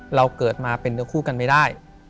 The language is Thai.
เราเกิดมาเป็นเนื้อคู่กันไม่ได้